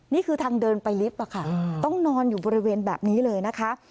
นี่คือทางเดินไปลิฟต์ค่ะต้องนอนอยู่บริเวณแบบนี้เลยนะคะ